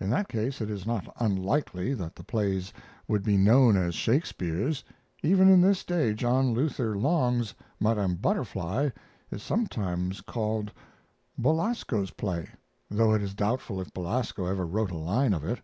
In that case it is not unlikely that the plays would be known as Shakespeare's. Even in this day John Luther Long's 'Madam Butterfly' is sometimes called Belasco's play; though it is doubtful if Belasco ever wrote a line of it."